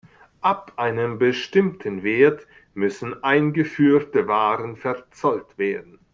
Ab einem bestimmten Wert müssen eingeführte Waren verzollt werden.